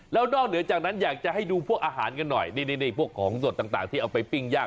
แล้วนอกเหนือจากนั้นอยากจะให้ดูพวกอาหารกันหน่อยนี่พวกของสดต่างที่เอาไปปิ้งย่าง